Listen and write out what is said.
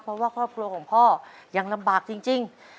เพราะว่าครอบครัวของพ่อยังลำบากจริง